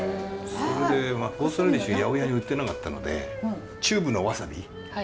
それでホースラディッシュ八百屋に売ってなかったのでチューブのわさびあれをね